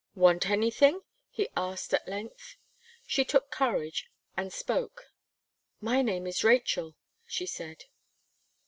"Want anything?" he asked, at length. She took courage and spoke. "My name is Rachel," she said.